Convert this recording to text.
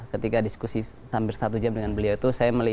ketika diskusi satu jam dengan beliau